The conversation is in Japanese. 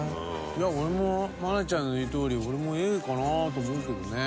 いや俺も愛菜ちゃんの言うとおり俺もＡかなと思うけどね。